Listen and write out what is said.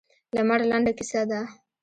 لمر لنډه کیسه ده.